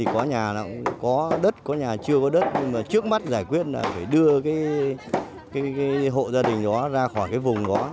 có nhà có đất có nhà chưa có đất nhưng trước mắt giải quyết là phải đưa hộ gia đình đó ra khỏi vùng đó